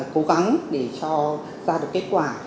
cố gắng để cho ra được kết quả